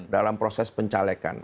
dalam proses pencalekan